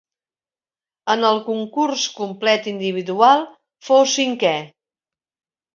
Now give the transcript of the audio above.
En el concurs complet individual fou cinquè.